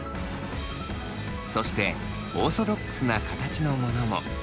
そしてオーソドックスな形のものも。